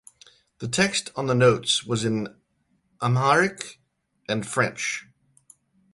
The text on the notes was in Amharic and French.